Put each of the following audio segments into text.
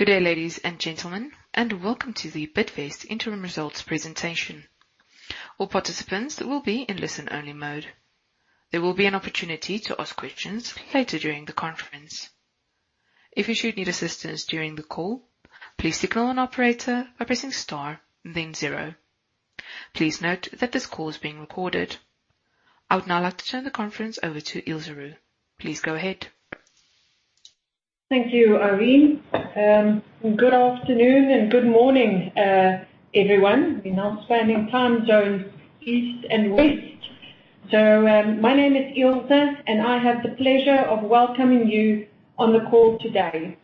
Good day, ladies and gentlemen, and welcome to the Bidvest Interim Results presentation. All participants will be in listen-only mode. There will be an opportunity to ask questions later during the conference. If you should need assistance during the call, please signal an operator by pressing star then zero. Please note that this call is being recorded. I would now like to turn the conference over to Ilze Roux. Please go ahead. Thank you, Irene. Good afternoon and good morning, everyone. We're now spanning time zones east and west. So, my name is Ilze, and I have the pleasure of welcoming you on the call today.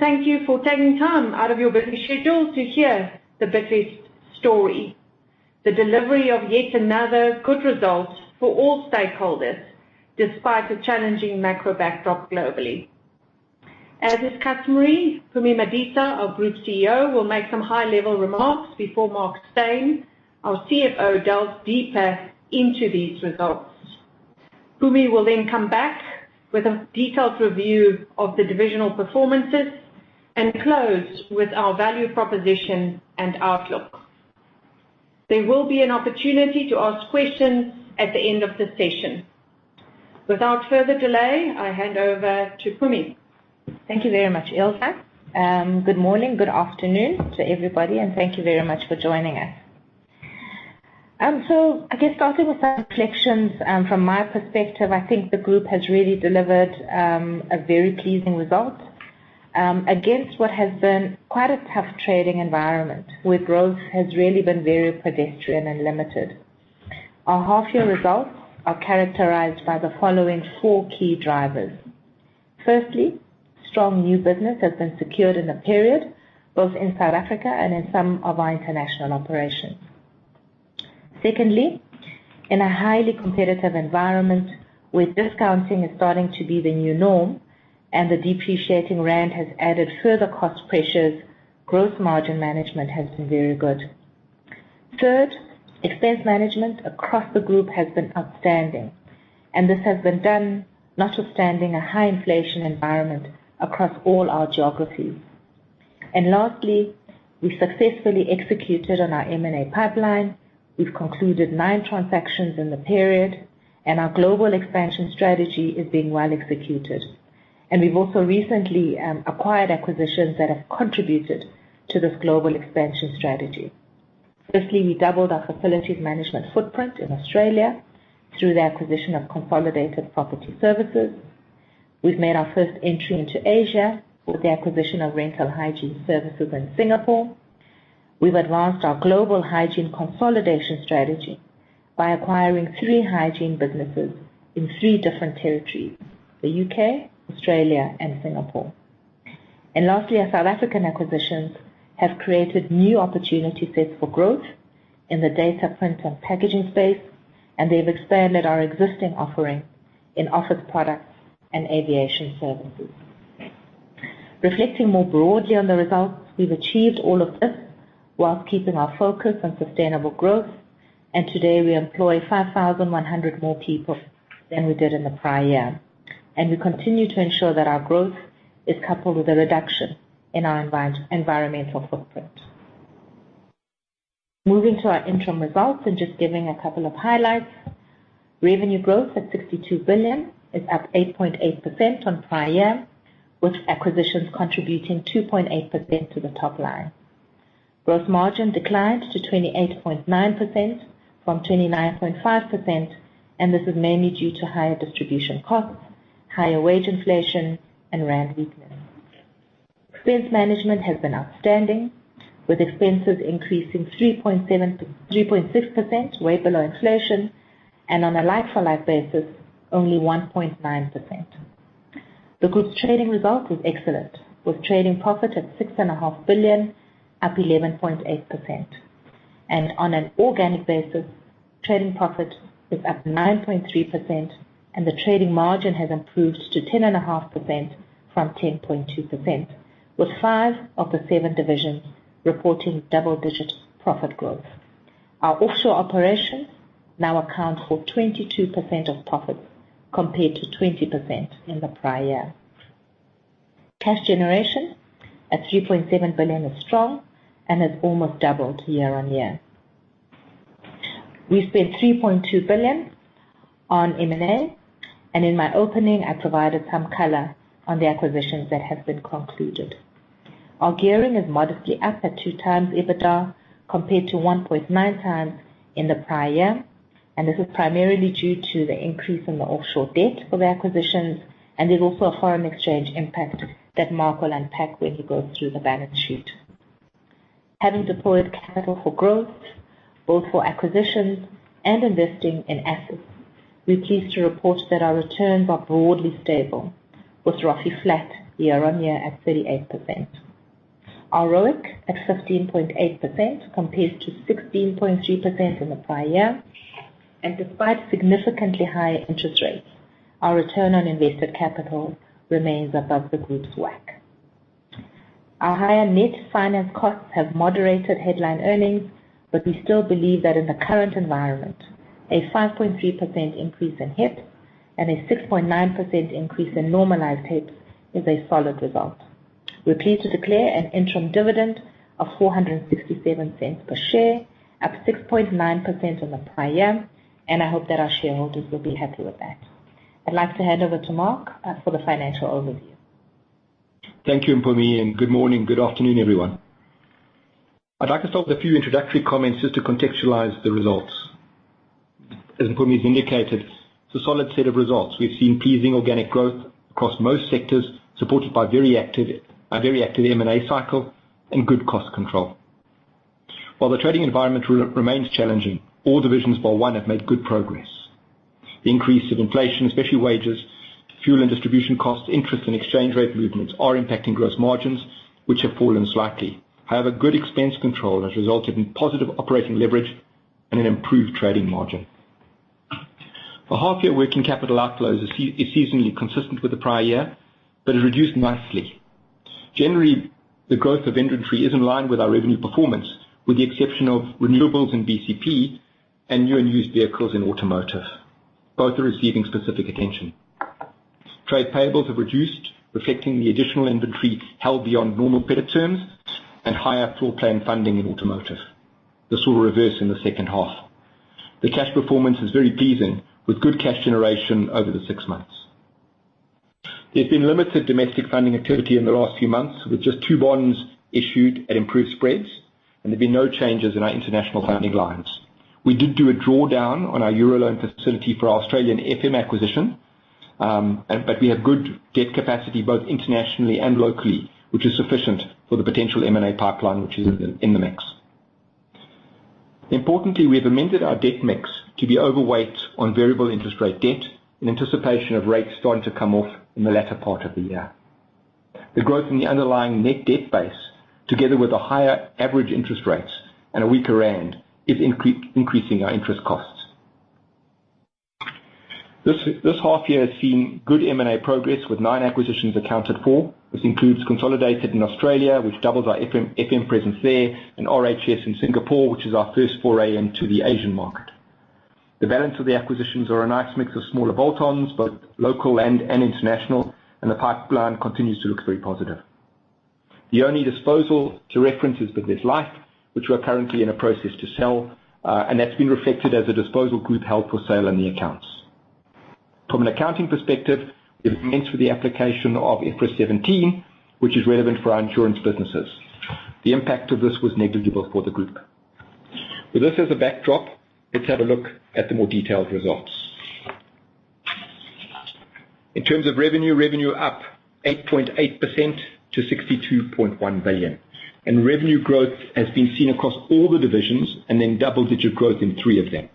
Thank you for taking time out of your busy schedule to hear the Bidvest story, the delivery of yet another good result for all stakeholders despite the challenging macro backdrop globally. As is customary, Mpumi Madisa, our Group CEO, will make some high-level remarks before Mark Steyn, our CFO, delves deeper into these results. Mpumi will then come back with a detailed review of the divisional performances and close with our value proposition and outlook. There will be an opportunity to ask questions at the end of the session. Without further delay, I hand over to Mpumi. Thank you very much, Ilze. Good morning, good afternoon to everybody, and thank you very much for joining us. So I guess starting with some reflections, from my perspective, I think the group has really delivered a very pleasing result against what has been quite a tough trading environment where growth has really been very pedestrian and limited. Our half-year results are characterized by the following four key drivers. Firstly, strong new business has been secured in the period, both in South Africa and in some of our international operations. Secondly, in a highly competitive environment where discounting is starting to be the new norm and the depreciating rand has added further cost pressures, gross margin management has been very good. Third, expense management across the group has been outstanding, and this has been done notwithstanding a high inflation environment across all our geographies. Lastly, we successfully executed on our M&A pipeline. We've concluded nine transactions in the period, and our global expansion strategy is being well executed. We've also recently acquired acquisitions that have contributed to this global expansion strategy. Firstly, we doubled our facilities management footprint in Australia through the acquisition of Consolidated Property Services. We've made our first entry into Asia with the acquisition of Rental Hygiene Services in Singapore. We've advanced our global hygiene consolidation strategy by acquiring three hygiene businesses in three different territories: the U.K., Australia, and Singapore. Lastly, our South African acquisitions have created new opportunity sets for growth in the data print and packaging space, and they've expanded our existing offering in office products and aviation services. Reflecting more broadly on the results, we've achieved all of this while keeping our focus on sustainable growth, and today we employ 5,100 more people than we did in the prior year. And we continue to ensure that our growth is coupled with a reduction in our environmental footprint. Moving to our interim results and just giving a couple of highlights, revenue growth at 62 billion is up 8.8% on prior year, with acquisitions contributing 2.8% to the top line. Gross margin declined to 28.9% from 29.5%, and this is mainly due to higher distribution costs, higher wage inflation, and rand weakness. Expense management has been outstanding, with expenses increasing 3.7% to 3.6%, way below inflation, and on a like-for-like basis, only 1.9%. The group's trading result is excellent, with trading profit at 6.5 billion, up 11.8%. On an organic basis, trading profit is up 9.3%, and the trading margin has improved to 10.5% from 10.2%, with five of the seven divisions reporting double-digit profit growth. Our offshore operations now account for 22% of profits compared to 20% in the prior year. Cash generation at 3.7 billion is strong and has almost doubled year-on-year. We spent 3.2 billion on M&A, and in my opening, I provided some color on the acquisitions that have been concluded. Our gearing is modestly up at two-times EBITDA compared to 1.9x in the prior year, and this is primarily due to the increase in the offshore debt for the acquisitions, and there's also a foreign exchange impact that Mark will unpack when he goes through the balance sheet. Having deployed capital for growth, both for acquisitions and investing in assets, we're pleased to report that our returns are broadly stable, with roughly flat year-on-year at 38%. Our ROIC at 15.8% compared to 16.3% in the prior year, and despite significantly higher interest rates, our return on invested capital remains above the group's WACC. Our higher net finance costs have moderated headline earnings, but we still believe that in the current environment, a 5.3% increase in HEPS and a 6.9% increase in normalized HEPS is a solid result. We're pleased to declare an interim dividend of 4.67 per share, up 6.9% on the prior year, and I hope that our shareholders will be happy with that. I'd like to hand over to Mark, for the financial overview. Thank you, Mpumi, and good morning. Good afternoon, everyone. I'd like to start with a few introductory comments just to contextualize the results. As Mpumi's indicated, it's a solid set of results. We've seen pleasing organic growth across most sectors, supported by a very active M&A cycle and good cost control. While the trading environment remains challenging, all divisions, bar one, have made good progress. The increase in inflation, especially wages, fuel and distribution costs, interest, and exchange rate movements are impacting gross margins, which have fallen slightly. However, good expense control has resulted in positive operating leverage and an improved trading margin. Our half-year working capital outflows are seasonally consistent with the prior year but have reduced nicely. Generally, the growth of inventory is in line with our revenue performance, with the exception of renewables in BCP and new and used vehicles in automotive. Both are receiving specific attention. Trade payables have reduced, reflecting the additional inventory held beyond normal payable terms and higher floor plan funding in automotive. This will reverse in the second half. The cash performance is very pleasing, with good cash generation over the six months. There's been limited domestic funding activity in the last few months, with just two bonds issued at improved spreads, and there've been no changes in our international funding lines. We did do a drawdown on our Euroloan facility for our Australian FM acquisition, and but we have good debt capacity both internationally and locally, which is sufficient for the potential M&A pipeline, which is in the in the mix. Importantly, we have amended our debt mix to be overweight on variable interest rate debt in anticipation of rates starting to come off in the latter part of the year. The growth in the underlying net debt base, together with the higher average interest rates and a weaker rand, is increasing our interest costs. This half year has seen good M&A progress, with nine acquisitions accounted for. This includes Consolidated in Australia, which doubles our FM presence there, and RHS in Singapore, which is our first foray to the Asian market. The balance of the acquisitions are a nice mix of smaller bolt-ons, both local and international, and the pipeline continues to look very positive. The only disposal to reference is Bidvest Life, which we're currently in a process to sell, and that's been reflected as a disposal group held for sale in the accounts. From an accounting perspective, we have amendments for the application of IFRS 17, which is relevant for our insurance businesses. The impact of this was negligible for the group. With this as a backdrop, let's have a look at the more detailed results. In terms of revenue, revenue up 8.8% to 62.1 billion, and revenue growth has been seen across all the divisions and then double-digit growth in three of them.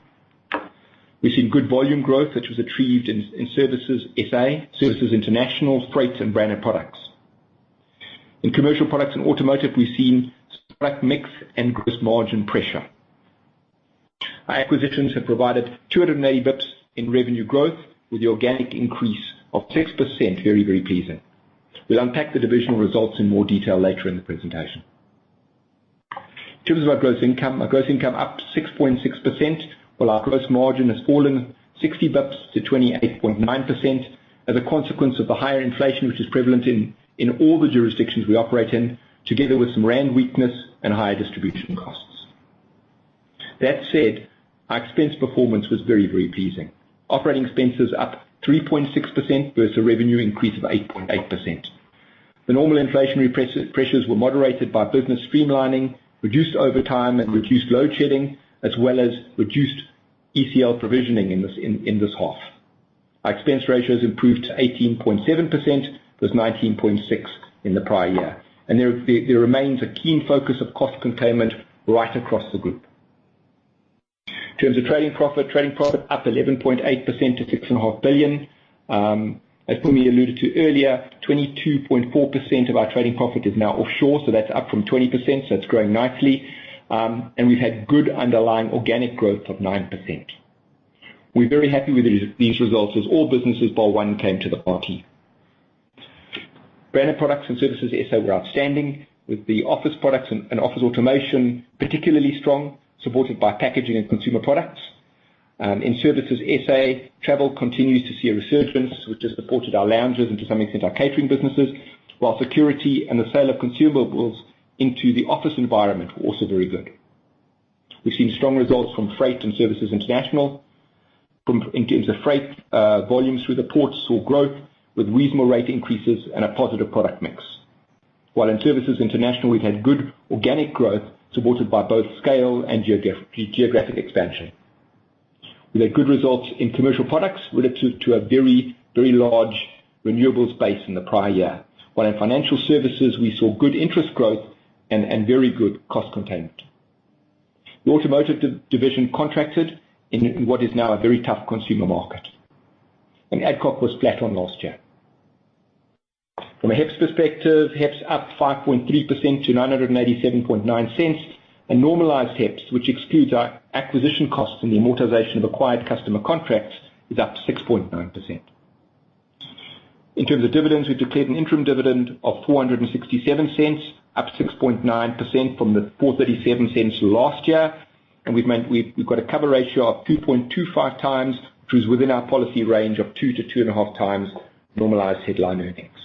We've seen good volume growth, which was achieved in services SA, services international, freight, and branded products. In commercial products and automotive, we've seen product mix and gross margin pressure. Our acquisitions have provided 280 basis points in revenue growth, with the organic increase of 6% very, very pleasing. We'll unpack the divisional results in more detail later in the presentation. In terms of our gross income, our gross income up 6.6%, while our gross margin has fallen 60 basis points to 28.9% as a consequence of the higher inflation, which is prevalent in all the jurisdictions we operate in, together with some rent weakness and higher distribution costs. That said, our expense performance was very, very pleasing, operating expenses up 3.6% versus a revenue increase of 8.8%. The normal inflationary pressures were moderated by business streamlining, reduced overtime, and reduced load shedding, as well as reduced ECL provisioning in this half. Our expense ratio has improved to 18.7% versus 19.6% in the prior year, and there remains a keen focus of cost containment right across the group. In terms of trading profit, trading profit up 11.8% to 6.5 billion. As Mpumi alluded to earlier, 22.4% of our trading profit is now offshore, so that's up from 20%, so it's growing nicely. We've had good underlying organic growth of 9%. We're very happy with these results as all businesses, bar one, came to the party. Branded products and Services SA were outstanding, with the office products and office automation particularly strong, supported by packaging and consumer products. In Services SA, travel continues to see a resurgence, which has supported our lounges and, to some extent, our catering businesses, while security and the sale of consumables into the office environment were also very good. We've seen strong results from freight and Services International. From in terms of freight, volumes through the ports saw growth with reasonable rate increases and a positive product mix. While in Services International, we've had good organic growth supported by both scale and geographic expansion. We had good results in Commercial Products relative to a very, very large renewables base in the prior year, while in Financial Services, we saw good interest growth and very good cost containment. The Automotive division contracted in what is now a very tough consumer market, and Adcock was flat on last year. From a HEPS perspective, HEPS up 5.3% to 9.879, and normalized HEPS, which excludes our acquisition costs and the amortization of acquired customer contracts, is up 6.9%. In terms of dividends, we've declared an interim dividend of 4.67, up 6.9% from the 4.37 last year, and we've maintained a cover ratio of 2.25 times, which is within our policy range of 2 to 2.5 times normalized headline earnings.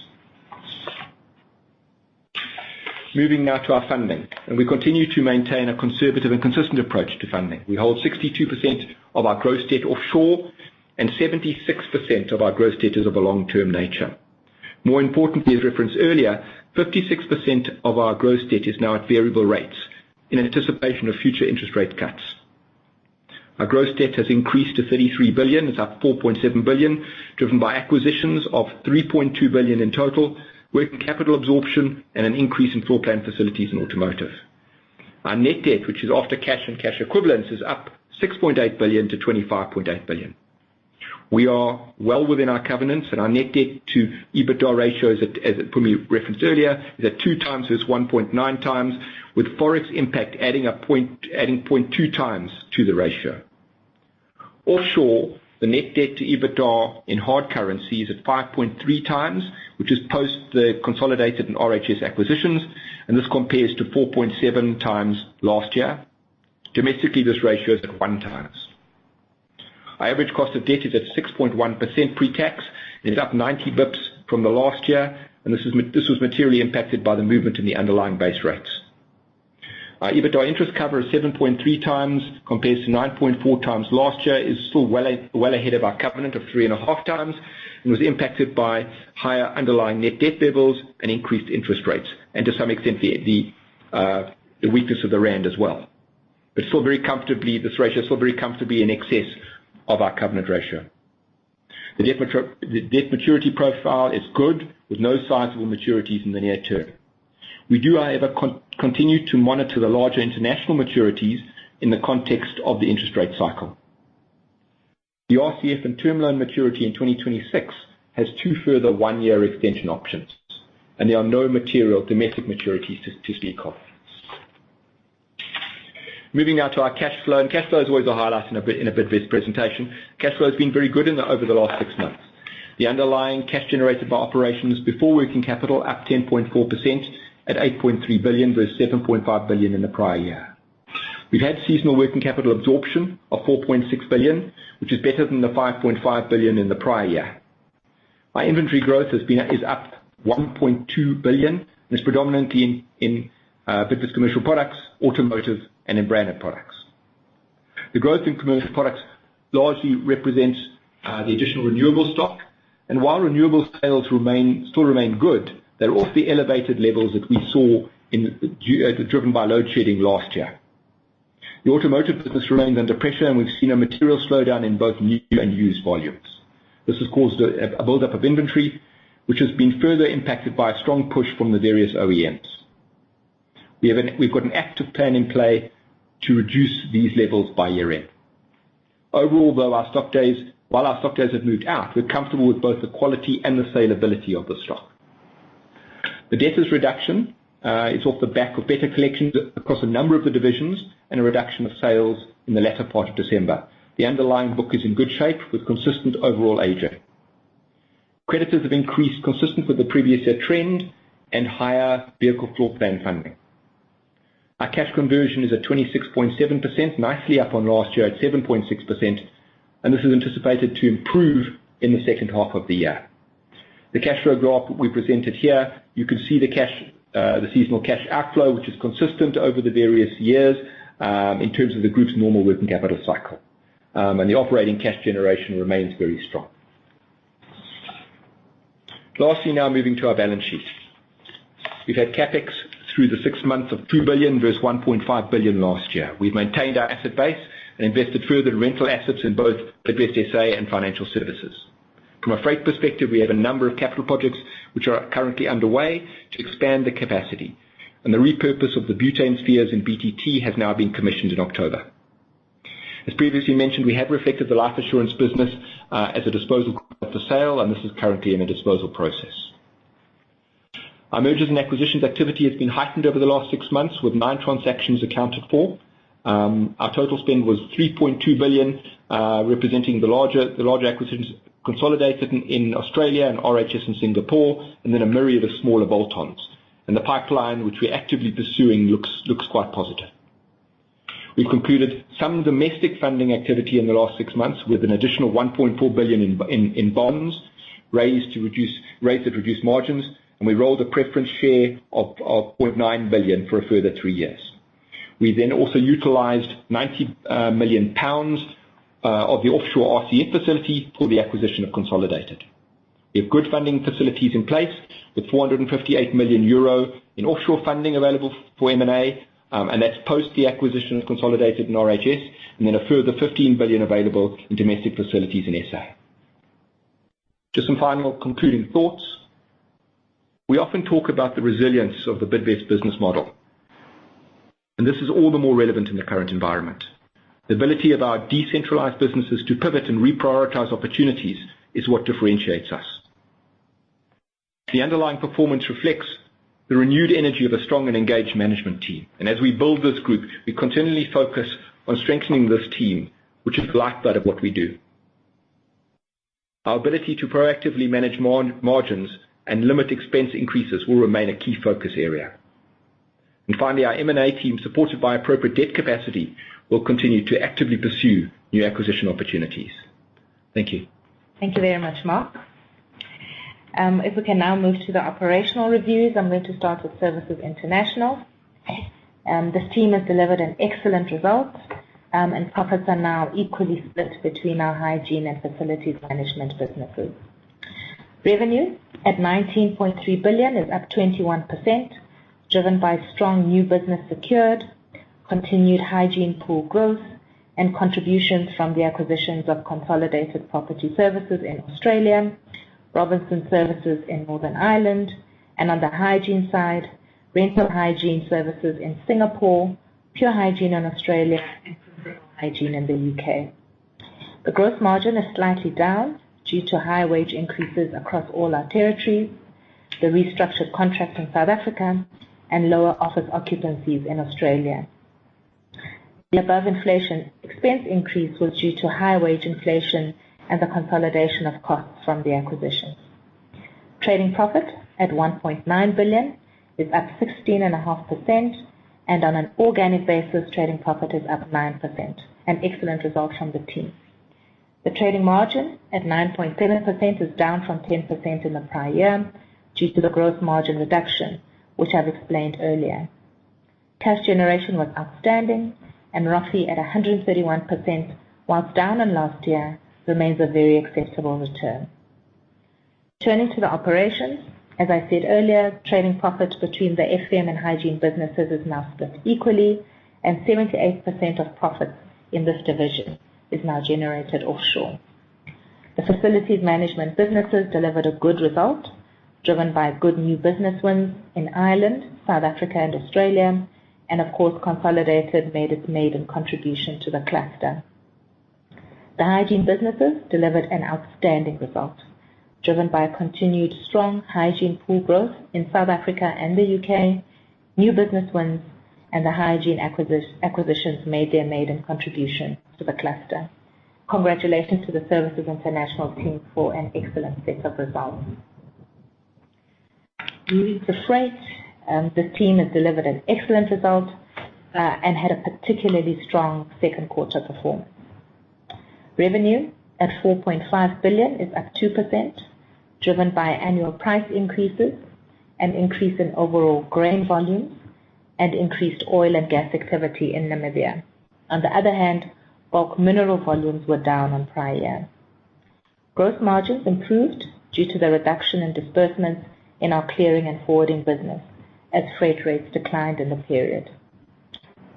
Moving now to our funding, and we continue to maintain a conservative and consistent approach to funding. We hold 62% of our gross debt offshore, and 76% of our gross debt is of a long-term nature. More importantly, as referenced earlier, 56% of our gross debt is now at variable rates in anticipation of future interest rate cuts. Our gross debt has increased to 33 billion. It's up 4.7 billion, driven by acquisitions of 3.2 billion in total, working capital absorption, and an increase in floor plan facilities and automotive. Our net debt, which is after cash and cash equivalents, is up 6.8 billion to 25.8 billion. We are well within our covenants, and our net debt to EBITDA ratio is at as Mpumi referenced earlier, is at two times versus 1.9 times, with forex impact adding a point adding 0.2 times to the ratio. Offshore, the net debt to EBITDA in hard currency is at 5.3 times, which is post the Consolidated and RHS acquisitions, and this compares to 4.7 times last year. Domestically, this ratio is at one times. Our average cost of debt is at 6.1% pre-tax, and it's up 90 basis points from the last year, and this was materially impacted by the movement in the underlying base rates. Our EBITDA interest cover is 7.3 times compared to 9.4 times last year. It's still well ahead of our covenant of 3.5 times and was impacted by higher underlying net debt levels and increased interest rates and, to some extent, the weakness of the rand as well. But still very comfortably this ratio is still very comfortably in excess of our covenant ratio. The debt maturity profile is good with no sizable maturities in the near term. We do, however, continue to monitor the larger international maturities in the context of the interest rate cycle. The RCF and term loan maturity in 2026 has two further one-year extension options, and there are no material domestic maturities to speak of. Moving now to our cash flow. Cash flow is always a highlight in a Bidvest presentation. Cash flow has been very good over the last six months. The underlying cash generated by operations before working capital up 10.4% at 8.3 billion versus 7.5 billion in the prior year. We've had seasonal working capital absorption of 4.6 billion, which is better than the 5.5 billion in the prior year. Our inventory growth has been up 1.2 billion and is predominantly in Bidvest Commercial Products, Automotive, and in Branded Products. The growth in Commercial Products largely represents the additional renewable stock, and while renewable sales still remain good, they're off the elevated levels that we saw, driven by load shedding last year. The Automotive business remains under pressure, and we've seen a material slowdown in both new and used volumes. This has caused a buildup of inventory, which has been further impacted by a strong push from the various OEMs. We've got an active plan in play to reduce these levels by year-end. Overall, though, while our stock days have moved out, we're comfortable with both the quality and the saleability of the stock. The debt is reduction. It's off the back of better collections across a number of the divisions and a reduction of sales in the latter part of December. The underlying book is in good shape with consistent overall aging. Creditors have increased consistent with the previous year trend and higher vehicle floor plan funding. Our cash conversion is at 26.7%, nicely up on last year at 7.6%, and this is anticipated to improve in the second half of the year. The cash flow graph we presented here, you can see the cash, the seasonal cash outflow, which is consistent over the various years, in terms of the group's normal working capital cycle. And the operating cash generation remains very strong. Lastly, now moving to our balance sheet. We've had CapEx through the six months of 2 billion versus 1.5 billion last year. We've maintained our asset base and invested further in rental assets in both Bidvest SA and financial services. From a freight perspective, we have a number of capital projects which are currently underway to expand the capacity, and the repurpose of the butane spheres in BTT has now been commissioned in October. As previously mentioned, we have reflected the life insurance business, as a disposal for sale, and this is currently in a disposal process. Our mergers and acquisitions activity has been heightened over the last six months with nine transactions accounted for. Our total spend was 3.2 billion, representing the larger acquisitions consolidated in Australia and RHS in Singapore and then a myriad of smaller bolt-ons. And the pipeline, which we're actively pursuing, looks quite positive. We've concluded some domestic funding activity in the last six months with an additional 1.4 billion in bonds raised to reduce rates that reduce margins, and we rolled a preference share of 0.9 billion for a further three years. We then also utilized 90 million pounds of the offshore RCF facility for the acquisition of Consolidated. We have good funding facilities in place with 458 million euro in offshore funding available for M&A, and that's post the acquisition of Consolidated and RHS and then a further 15 billion available in domestic facilities in SA. Just some final concluding thoughts. We often talk about the resilience of the Bidvest business model, and this is all the more relevant in the current environment. The ability of our decentralized businesses to pivot and reprioritize opportunities is what differentiates us. The underlying performance reflects the renewed energy of a strong and engaged management team, and as we build this group, we continually focus on strengthening this team, which is the lifeblood of what we do. Our ability to proactively manage margins and limit expense increases will remain a key focus area. And finally, our M&A team supported by appropriate debt capacity will continue to actively pursue new acquisition opportunities. Thank you. Thank you very much, Mark. If we can now move to the operational reviews, I'm going to start with Services International. This team has delivered an excellent result, and profits are now equally split between our hygiene and facilities management businesses. Revenue at 19.3 billion is up 21%, driven by strong new business secured, continued hygiene pool growth, and contributions from the acquisitions of Consolidated Property Services in Australia, Robinson Services in Northern Ireland, and on the hygiene side, Rental Hygiene Services in Singapore, Pure Hygiene in Australia, and Principal Hygiene in the U.K. The gross margin is slightly down due to high wage increases across all our territories, the restructured contract in South Africa, and lower office occupancies in Australia. The above inflation expense increase was due to high wage inflation and the consolidation of costs from the acquisitions. Trading profit at 1.9 billion is up 16.5%, and on an organic basis, trading profit is up 9%, an excellent result from the team. The trading margin at 9.7% is down from 10% in the prior year due to the gross margin reduction, which I've explained earlier. Cash generation was outstanding and roughly at 131%, while down on last year, remains a very acceptable return. Turning to the operations, as I said earlier, trading profit between the FM and hygiene businesses is now split equally, and 78% of profits in this division is now generated offshore. The facilities management businesses delivered a good result driven by good new business wins in Ireland, South Africa, and Australia, and, of course, Consolidated made its maiden contribution to the cluster. The hygiene businesses delivered an outstanding result driven by continued strong hygiene pool growth in South Africa and the U.K., new business wins, and the hygiene acquisitions made their maiden contribution to the cluster. Congratulations to the Services International team for an excellent set of results. Moving to freight, this team has delivered an excellent result, and had a particularly strong second quarter performance. Revenue at 4.5 billion is up 2% driven by annual price increases, an increase in overall grain volumes, and increased oil and gas activity in Namibia. On the other hand, bulk mineral volumes were down on prior year. Gross margins improved due to the reduction in disbursements in our clearing and forwarding business as freight rates declined in the period.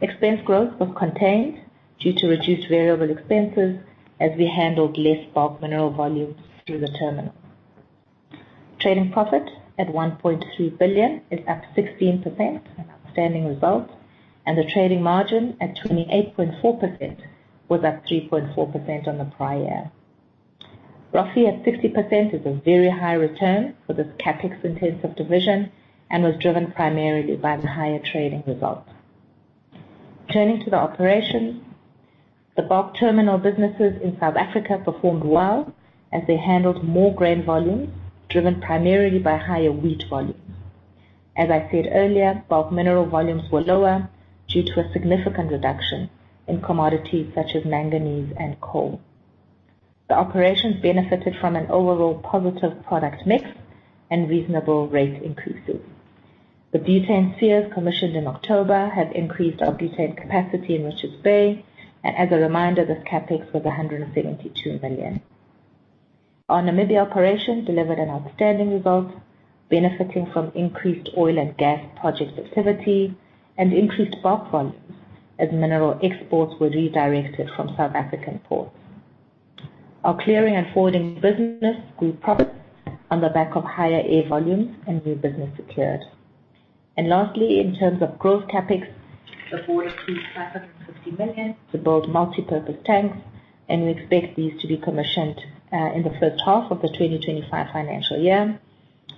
Expense growth was contained due to reduced variable expenses as we handled less bulk mineral volumes through the terminal. Trading profit at 1.3 billion is up 16%, an outstanding result, and the trading margin at 28.4% was up 3.4% on the prior year. Roughly at 60% is a very high return for this CapEx-intensive division and was driven primarily by the higher trading result. Turning to the operations, the bulk terminal businesses in South Africa performed well as they handled more grain volumes driven primarily by higher wheat volumes. As I said earlier, bulk mineral volumes were lower due to a significant reduction in commodities such as manganese and coal. The operations benefited from an overall positive product mix and reasonable rate increases. The butane spheres commissioned in October have increased our butane capacity in Richards Bay, and as a reminder, this CapEx was 172 million. Our Namibia operation delivered an outstanding result benefiting from increased oil and gas project activity and increased bulk volumes as mineral exports were redirected from South African ports. Our clearing and forwarding business grew profits on the back of higher air volumes and new business secured. Lastly, in terms of gross CapEx, the forward approved 550 million to build multipurpose tanks, and we expect these to be commissioned in the first half of the 2025 financial year.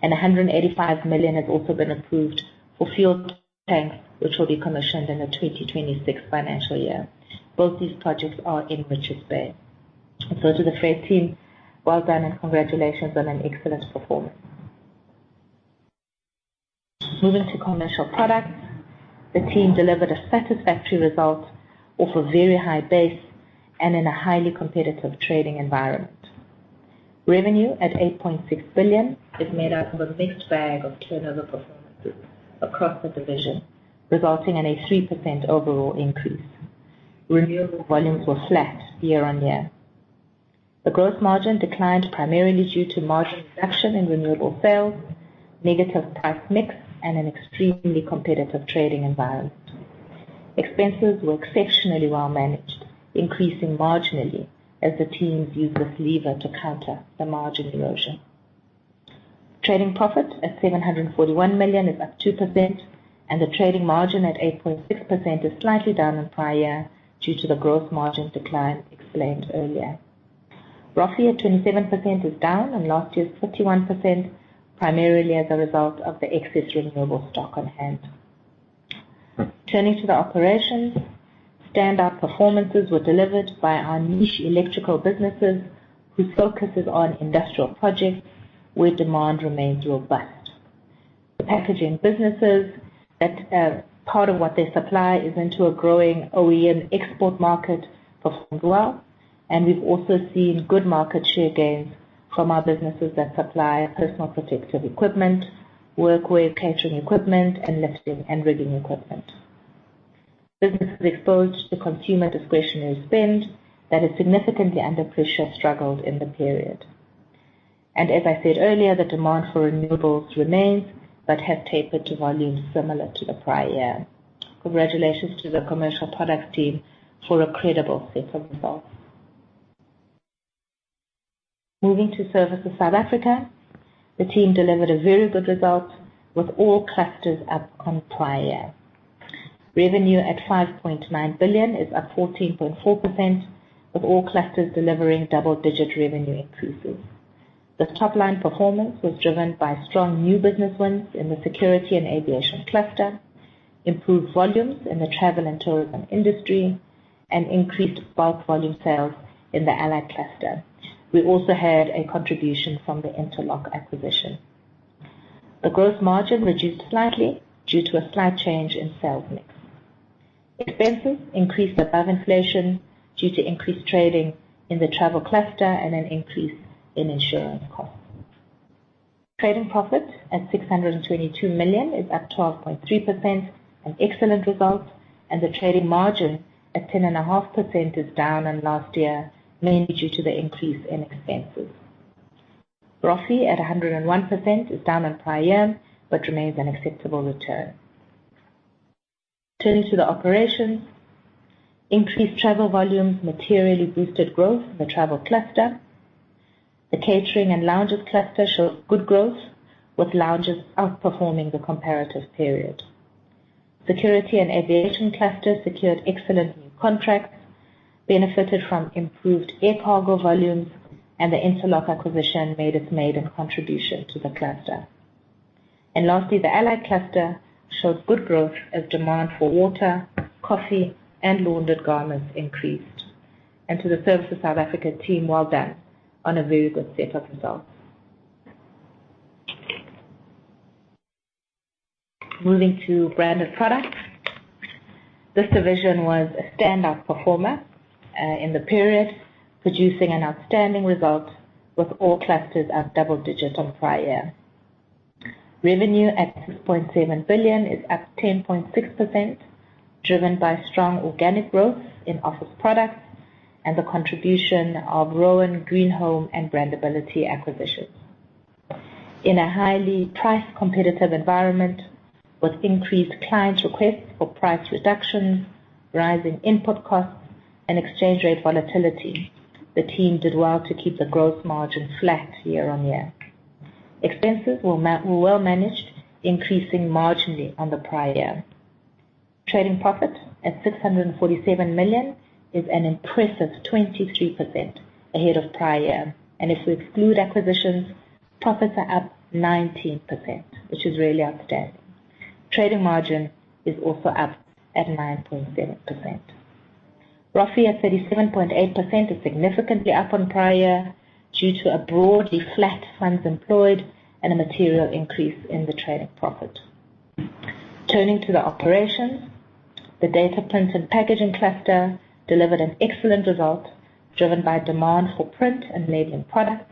185 million has also been approved for fuel tanks, which will be commissioned in the 2026 financial year. Both these projects are in Richards Bay. And so to the freight team, well done, and congratulations on an excellent performance. Moving to commercial products, the team delivered a satisfactory result off a very high base and in a highly competitive trading environment. Revenue at 8.6 billion is made up of a mixed bag of turnover performances across the division, resulting in a 3% overall increase. Rental volumes were flat year-on-year. The gross margin declined primarily due to margin reduction in rental sales, negative price mix, and an extremely competitive trading environment. Expenses were exceptionally well managed, increasing marginally as the teams used this lever to counter the margin erosion. Trading profit at 741 million is up 2%, and the trading margin at 8.6% is slightly down on prior year due to the gross margin decline explained earlier. Roughly at 27% is down on last year's 51%, primarily as a result of the excess renewable stock on hand. Turning to the operations, standout performances were delivered by our niche electrical businesses whose focus is on industrial projects where demand remains robust. The packaging businesses that, part of what they supply is into a growing OEM export market performs well, and we've also seen good market share gains from our businesses that supply personal protective equipment, workwear catering equipment, and lifting and rigging equipment. Businesses exposed to consumer discretionary spend that is significantly under pressure struggled in the period. And as I said earlier, the demand for renewables remains but has tapered to volumes similar to the prior year. Congratulations to the Commercial Products team for a credible set of results. Moving to Services South Africa, the team delivered a very good result with all clusters up on prior year. Revenue at 5.9 billion is up 14.4% with all clusters delivering double-digit revenue increases. The top-line performance was driven by strong new business wins in the security and aviation cluster, improved volumes in the travel and tourism industry, and increased bulk volume sales in the allied cluster. We also had a contribution from the Interloc acquisition. The gross margin reduced slightly due to a slight change in sales mix. Expenses increased above inflation due to increased trading in the travel cluster and an increase in insurance costs. Trading profit at 622 million is up 12.3%, an excellent result, and the trading margin at 10.5% is down on last year, mainly due to the increase in expenses. Roughly at 101% is down on prior year but remains an acceptable return. Turning to the operations, increased travel volumes materially boosted growth in the travel cluster. The catering and lounges cluster showed good growth with lounges outperforming the comparative period. Security and aviation clusters secured excellent new contracts, benefited from improved air cargo volumes, and the Interloc acquisition made its maiden contribution to the cluster. And lastly, the allied cluster showed good growth as demand for water, coffee, and laundered garments increased. And to the Services South Africa team, well done on a very good set of results. Moving to branded products, this division was a standout performer in the period, producing an outstanding result with all clusters up double digit on prior year. Revenue at 6.7 billion is up 10.6% driven by strong organic growth in office products and the contribution of Roan, Green Home, and Brandability acquisitions. In a highly price-competitive environment with increased clients' requests for price reductions, rising input costs, and exchange rate volatility, the team did well to keep the gross margin flat year-on-year. Expenses were well managed, increasing marginally on the prior year. Trading profit at 647 million is an impressive 23% ahead of prior year, and if we exclude acquisitions, profits are up 19%, which is really outstanding. Trading margin is also up at 9.7%. Roughly at 37.8% is significantly up on prior year due to a broadly flat funds employed and a material increase in the trading profit. Turning to the operations, the data print and packaging cluster delivered an excellent result driven by demand for print and labeling products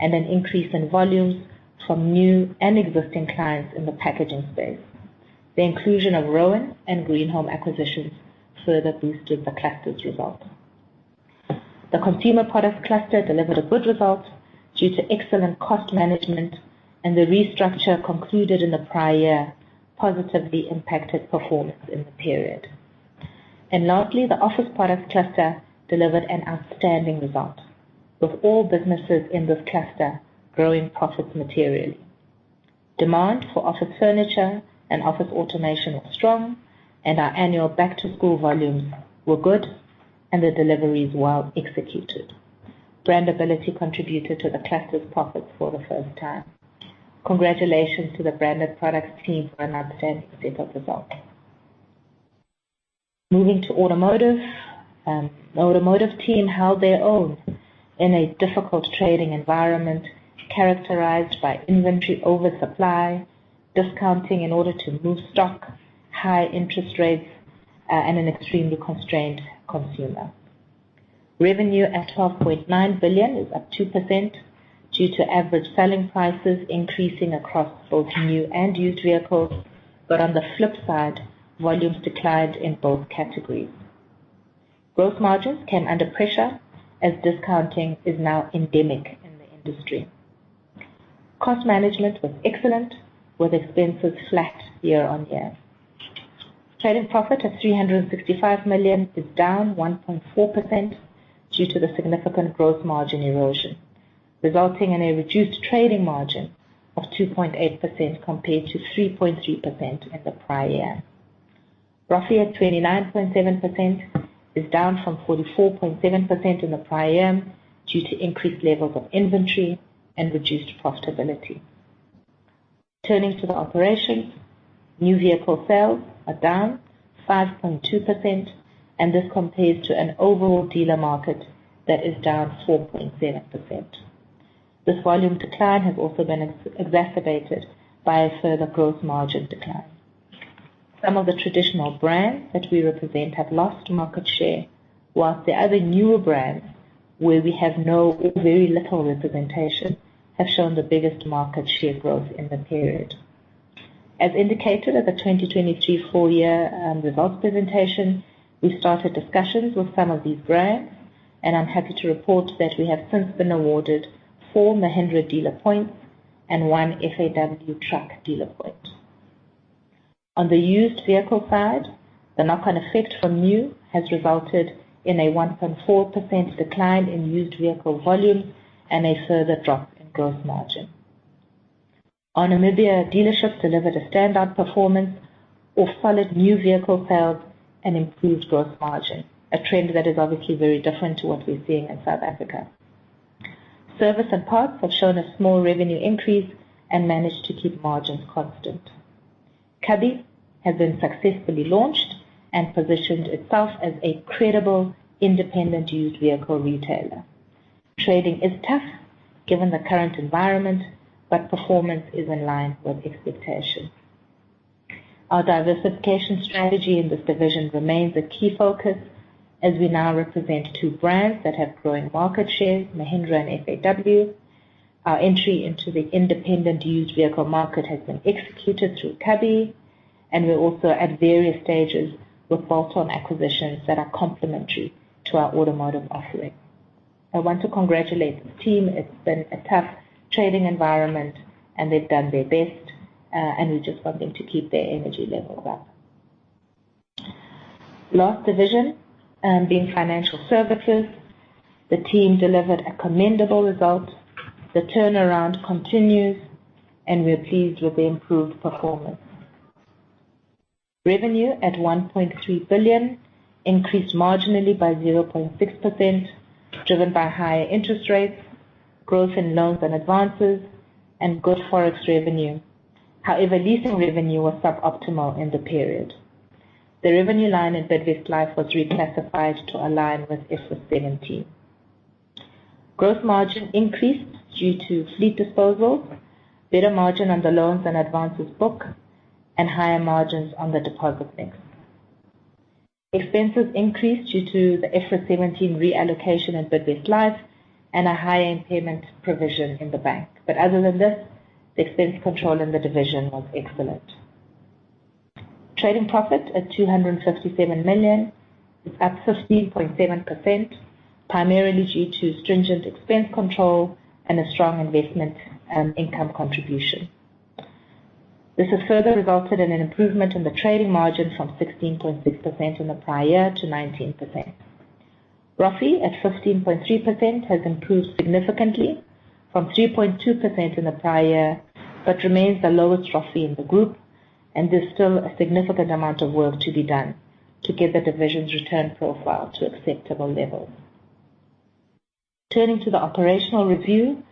and an increase in volumes from new and existing clients in the packaging space. The inclusion of Roan and Green Home acquisitions further boosted the cluster's result. The consumer products cluster delivered a good result due to excellent cost management, and the restructure concluded in the prior year positively impacted performance in the period. Lastly, the office products cluster delivered an outstanding result with all businesses in this cluster growing profits materially. Demand for office furniture and office automation was strong, and our annual back-to-school volumes were good, and the deliveries well executed. Brandability contributed to the cluster's profits for the first time. Congratulations to the branded products team for an outstanding set of results. Moving to automotive, the automotive team held their own in a difficult trading environment characterized by inventory oversupply, discounting in order to move stock, high interest rates, and an extremely constrained consumer. Revenue at 12.9 billion is up 2% due to average selling prices increasing across both new and used vehicles, but on the flip side, volumes declined in both categories. Gross margins came under pressure as discounting is now endemic in the industry. Cost management was excellent with expenses flat year on year. Trading profit at 365 million is down 1.4% due to the significant gross margin erosion, resulting in a reduced trading margin of 2.8% compared to 3.3% in the prior year. ROIC at 29.7% is down from 44.7% in the prior year due to increased levels of inventory and reduced profitability. Turning to the operations, new vehicle sales are down 5.2%, and this compares to an overall dealer market that is down 4.7%. This volume decline has also been exacerbated by a further gross margin decline. Some of the traditional brands that we represent have lost market share, while the other newer brands where we have no or very little representation have shown the biggest market share growth in the period. As indicated at the 2023 full-year results presentation, we started discussions with some of these brands, and I'm happy to report that we have since been awarded four Mahindra dealer points and one FAW truck dealer point. On the used vehicle side, the knock-on effect from new has resulted in a 1.4% decline in used vehicle volumes and a further drop in gross margin. On Namibia, dealerships delivered a standout performance of solid new vehicle sales and improved gross margin, a trend that is obviously very different to what we're seeing in South Africa. Service and parts have shown a small revenue increase and managed to keep margins constant. Kabi has been successfully launched and positioned itself as a credible independent used vehicle retailer. Trading is tough given the current environment, but performance is in line with expectations. Our diversification strategy in this division remains a key focus as we now represent two brands that have growing market share, Mahindra and FAW. Our entry into the independent used vehicle market has been executed through Kabi, and we're also at various stages with bolt-on acquisitions that are complementary to our automotive offering. I want to congratulate the team. It's been a tough trading environment, and they've done their best, and we just want them to keep their energy levels up. Last division, being financial services, the team delivered a commendable result. The turnaround continues, and we're pleased with the improved performance. Revenue at 1.3 billion increased marginally by 0.6% driven by higher interest rates, growth in loans and advances, and good forex revenue. However, leasing revenue was suboptimal in the period. The revenue line in Bidvest Life was reclassified to align with IFRS 17. Gross margin increased due to fleet disposal, better margin on the loans and advances book, and higher margins on the deposit mix. Expenses increased due to the IFRS 17 reallocation in Bidvest Life and a higher impairment provision in the bank. But other than this, the expense control in the division was excellent. Trading profit at 257 million is up 15.7%, primarily due to stringent expense control and a strong investment income contribution. This has further resulted in an improvement in the trading margin from 16.6% in the prior year to 19%. ROIC at 15.3% has improved significantly from 3.2% in the prior year but remains the lowest ROIC in the group, and there's still a significant amount of work to be done to get the division's return profile to acceptable levels. Turning to the operational review,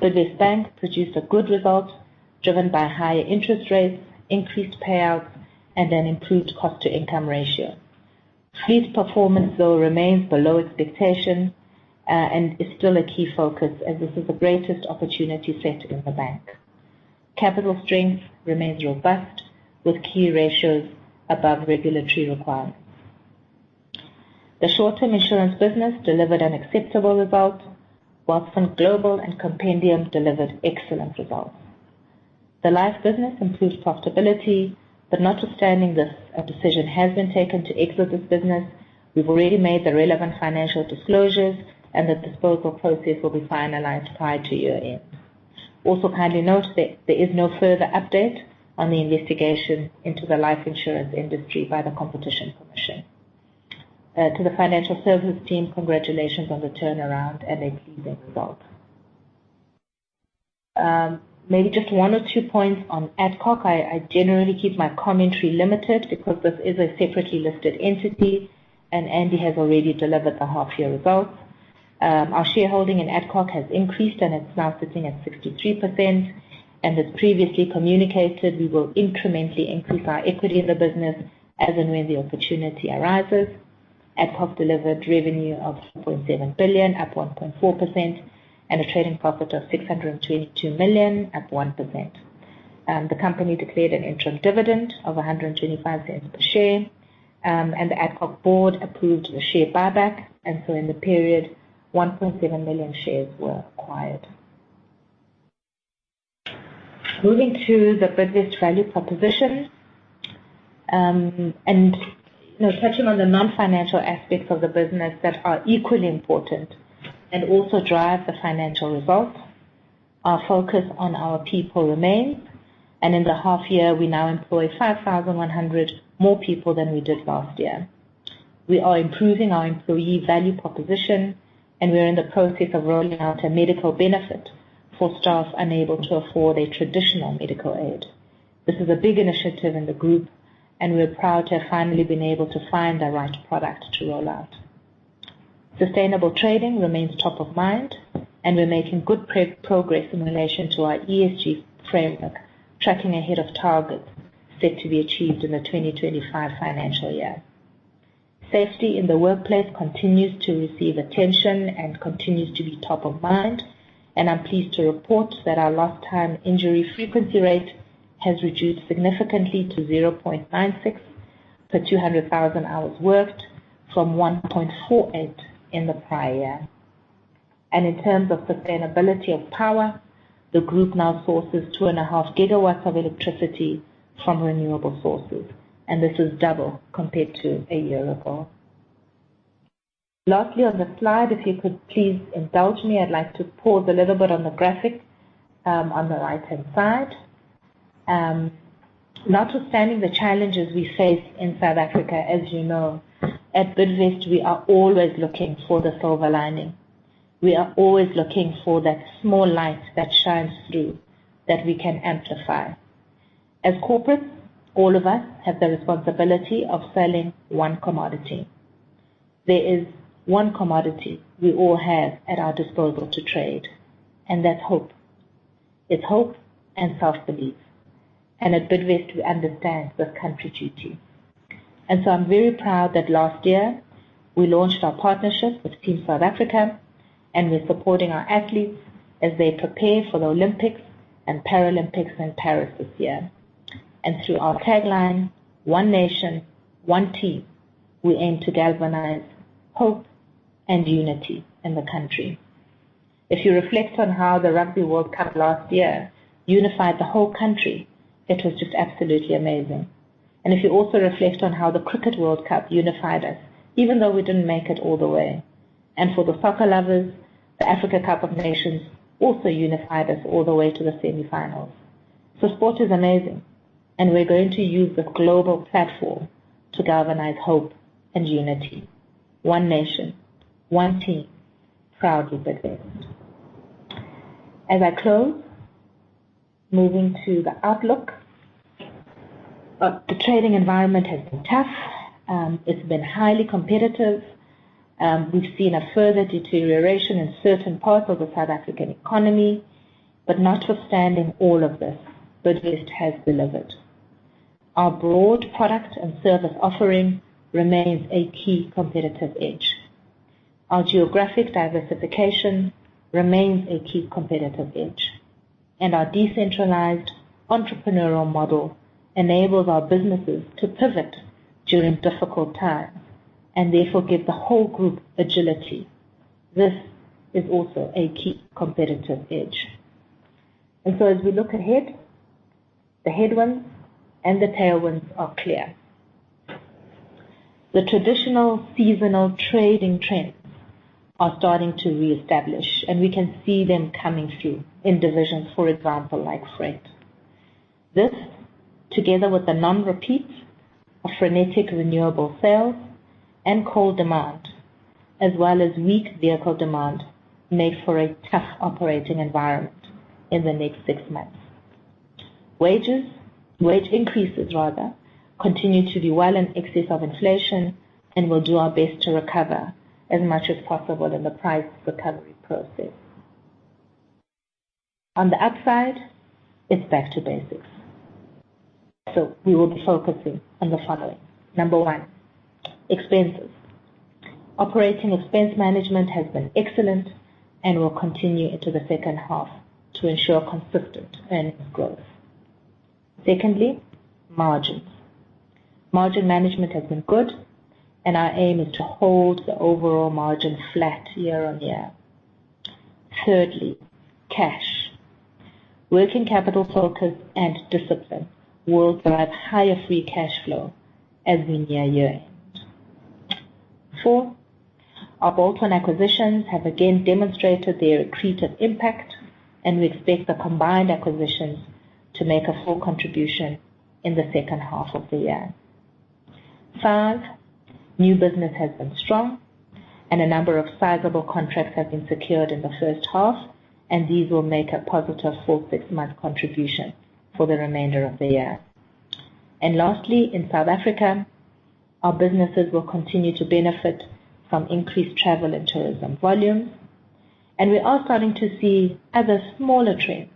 Bidvest Bank produced a good result driven by higher interest rates, increased payouts, and an improved cost-to-income ratio. Fleet performance, though, remains below expectation, and is still a key focus as this is the greatest opportunity set in the bank. Capital strength remains robust with key ratios above regulatory requirements. The short-term insurance business delivered an acceptable result, while FinGlobal and compendium delivered excellent results. The life business improved profitability, but notwithstanding this, a decision has been taken to exit this business. We've already made the relevant financial disclosures, and the disposal process will be finalized prior to year-end. Also, kindly note that there is no further update on the investigation into the life insurance industry by the Competition Commission. To the financial services team, congratulations on the turnaround and a pleasing result. Maybe just one or two points on Adcock. I, I generally keep my commentary limited because this is a separately listed entity, and Andy has already delivered the half-year results. Our shareholding in Adcock has increased, and it's now sitting at 63%. As previously communicated, we will incrementally increase our equity in the business as and when the opportunity arises. Adcock delivered revenue of 4.7 billion, up 1.4%, and a trading profit of 622 million, up 1%. The company declared an interim dividend of 1.25 per share, and the Adcock board approved the share buyback. So in the period, 1.7 million shares were acquired. Moving to the Bidvest value proposition, and, you know, touching on the non-financial aspects of the business that are equally important and also drive the financial results, our focus on our people remains. In the half-year, we now employ 5,100 more people than we did last year. We are improving our employee value proposition, and we're in the process of rolling out a medical benefit for staff unable to afford a traditional medical aid. This is a big initiative in the group, and we're proud to have finally been able to find the right product to roll out. Sustainable trading remains top of mind, and we're making good progress in relation to our ESG framework, tracking ahead of targets set to be achieved in the 2025 financial year. Safety in the workplace continues to receive attention and continues to be top of mind, and I'm pleased to report that our lost-time injury frequency rate has reduced significantly to 0.96 per 200,000 hours worked from 1.48 in the prior year. In terms of sustainability of power, the group now sources 2.5 gigawatts of electricity from renewable sources, and this is double compared to a year ago. Lastly, on the slide, if you could please indulge me, I'd like to pause a little bit on the graphic, on the right-hand side. Notwithstanding the challenges we face in South Africa, as you know, at Bidvest, we are always looking for the silver lining. We are always looking for that small light that shines through that we can amplify. As corporates, all of us have the responsibility of selling one commodity. There is one commodity we all have at our disposal to trade, and that's hope. It's hope and self-belief. At Bidvest, we understand the country's duty. So I'm very proud that last year, we launched our partnership with Team South Africa, and we're supporting our athletes as they prepare for the Olympics and Paralympics in Paris this year. Through our tagline, "One nation, one team," we aim to galvanize hope and unity in the country. If you reflect on how the Rugby World Cup last year unified the whole country, it was just absolutely amazing. If you also reflect on how the Cricket World Cup unified us, even though we didn't make it all the way. And for the soccer lovers, the Africa Cup of Nations also unified us all the way to the semifinals. So sport is amazing, and we're going to use the global platform to galvanize hope and unity. One nation, one team. Proud of Bidvest. As I close, moving to the outlook, the trading environment has been tough. It's been highly competitive. We've seen a further deterioration in certain parts of the South African economy, but notwithstanding all of this, Bidvest has delivered. Our broad product and service offering remains a key competitive edge. Our geographic diversification remains a key competitive edge, and our decentralized entrepreneurial model enables our businesses to pivot during difficult times and therefore give the whole group agility. This is also a key competitive edge. And so as we look ahead, the headwinds and the tailwinds are clear. The traditional seasonal trading trends are starting to reestablish, and we can see them coming through in divisions, for example, like freight. This, together with the non-repeats of frenetic renewable sales and cold demand, as well as weak vehicle demand, may foray tough operating environment in the next six months. Wages, wage increases, rather, continue to be well in excess of inflation and will do our best to recover as much as possible in the price recovery process. On the upside, it's back to basics. So we will be focusing on the following. Number one, expenses. Operating expense management has been excellent and will continue into the second half to ensure consistent earnings growth. Secondly, margins. Margin management has been good, and our aim is to hold the overall margin flat year-on-year. Thirdly, cash. Working capital focus and discipline will drive higher free cash flow as we near year-end. Four, our bolt-on acquisitions have again demonstrated their accretive impact, and we expect the combined acquisitions to make a full contribution in the second half of the year. Five, new business has been strong, and a number of sizable contracts have been secured in the first half, and these will make a positive full six-month contribution for the remainder of the year. And lastly, in South Africa, our businesses will continue to benefit from increased travel and tourism volumes, and we are starting to see other smaller trends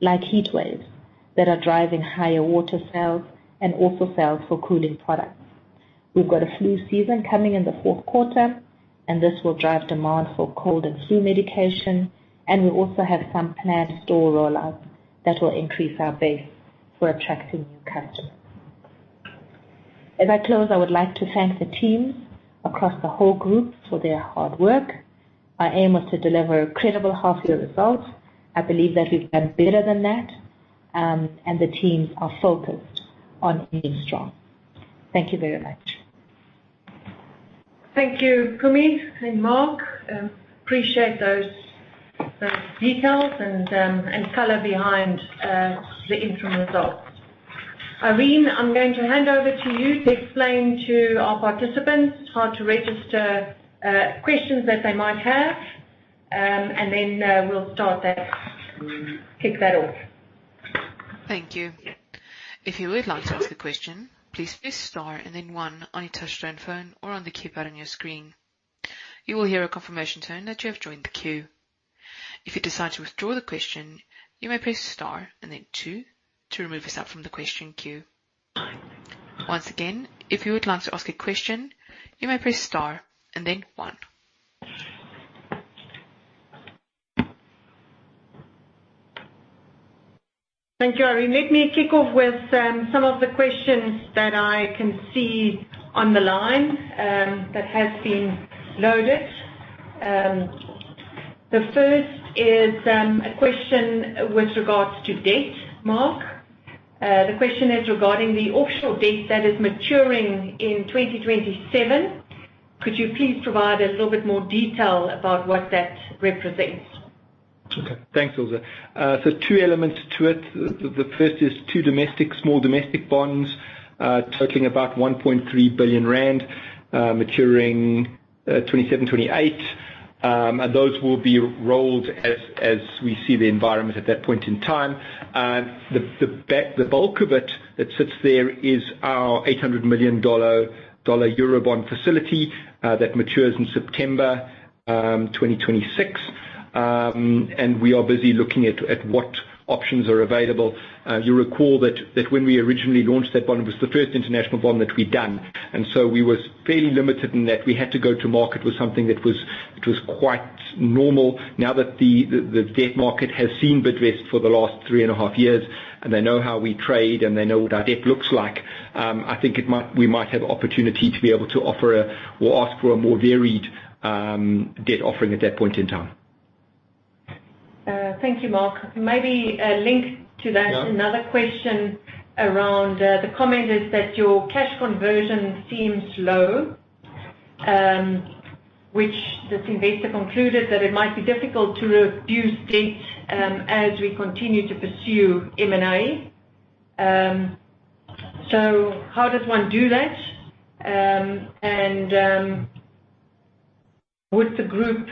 like heat waves that are driving higher water sales and also sales for cooling products. We've got a flu season coming in the fourth quarter, and this will drive demand for cold and flu medication. And we also have some planned store rollouts that will increase our base for attracting new customers. As I close, I would like to thank the teams across the whole group for their hard work. Our aim was to deliver a credible half-year result. I believe that we've done better than that, and the teams are focused on being strong. Thank you very much. Thank you, Pumi, and Mark. Appreciate those, those details and, and color behind, the interim results. Irene, I'm going to hand over to you to explain to our participants how to register, questions that they might have, and then, we'll start that kick that off. Thank you. If you would like to ask a question, please press star and then one on your touch-tone phone or on the keypad on your screen. You will hear a confirmation tone that you have joined the queue. If you decide to withdraw the question, you may press star and then two to remove yourself from the question queue. Once again, if you would like to ask a question, you may press star and then one. Thank you, Irene. Let me kick off with some of the questions that I can see on the line that has been loaded. The first is a question with regards to debt, Mark. The question is regarding the offshore debt that is maturing in 2027. Could you please provide a little bit more detail about what that represents? Okay. Thanks, Ilze. So two elements to it. The first is two domestic, small domestic bonds, totaling about 1.3 billion rand, maturing 2027, 2028. And those will be rolled as we see the environment at that point in time. The bulk of it that sits there is our $800 million eurobond facility, that matures in September 2026. And we are busy looking at what options are available. You recall that when we originally launched that bond, it was the first international bond that we'd done. And so we were fairly limited in that we had to go to market with something that was quite normal. Now that the debt market has seen Bidvest for the last 3.5 years, and they know how we trade, and they know what our debt looks like, I think we might have opportunity to be able to offer or ask for a more varied debt offering at that point in time. Thank you, Mark. Maybe a link to that. Yeah. Another question around the comment is that your cash conversion seems low, which this investor concluded that it might be difficult to reduce debt as we continue to pursue M&A. So how does one do that? And would the group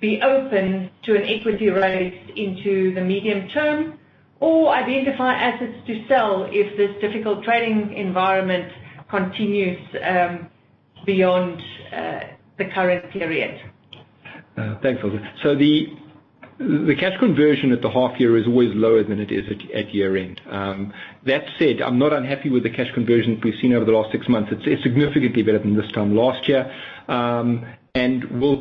be open to an equity raise into the medium term or identify assets to sell if this difficult trading environment continues beyond the current period? Thanks, Ilze. So the, the cash conversion at the half-year is always lower than it is at, at year-end. That said, I'm not unhappy with the cash conversion that we've seen over the last six months. It's, it's significantly better than this time last year. And we'll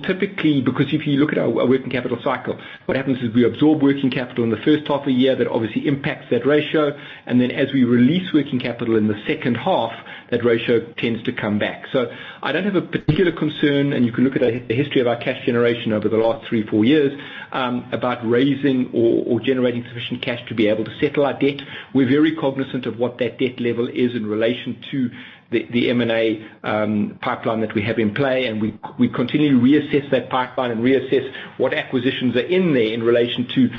typically because if you look at our, our working capital cycle, what happens is we absorb working capital in the first half of the year that obviously impacts that ratio. And then as we release working capital in the second half, that ratio tends to come back. So I don't have a particular concern, and you can look at the, the history of our cash generation over the last three, four years, about raising or, or generating sufficient cash to be able to settle our debt. We're very cognizant of what that debt level is in relation to the M&A pipeline that we have in play, and we continually reassess that pipeline and reassess what acquisitions are in there in relation to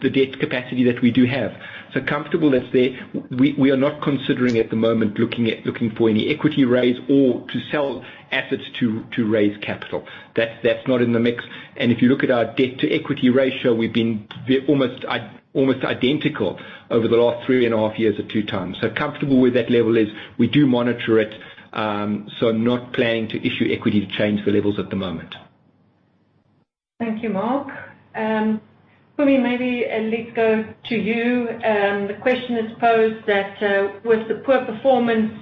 the debt capacity that we do have. So comfortable, that's there. We are not considering at the moment looking for any equity raise or to sell assets to raise capital. That's not in the mix. And if you look at our debt-to-equity ratio, we've been very almost identical over the last three and a half years at two times. So comfortable where that level is. We do monitor it, so not planning to issue equity to change the levels at the moment. Thank you, Mark. Mpumi, maybe, let's go to you. The question is posed that, with the poor performance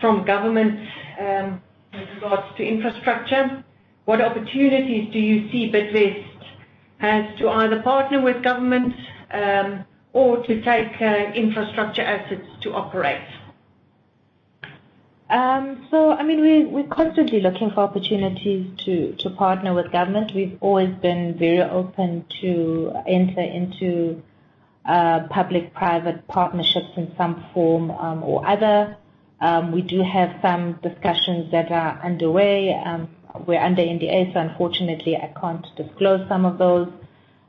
from governments, with regards to infrastructure, what opportunities do you see Bidvest has to either partner with governments, or to take, infrastructure assets to operate? So, I mean, we, we're constantly looking for opportunities to, to partner with government. We've always been very open to enter into, public-private partnerships in some form, or other. We do have some discussions that are underway. We're under NDA, so unfortunately, I can't disclose some of those.